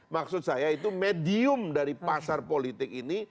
maksud saya itu medium dari pasar politik ini